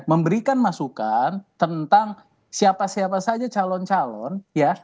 memberikan masukan tentang siapa siapa saja calon calon ya